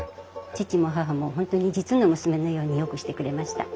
義父も義母も本当に実の娘のようによくしてくれました。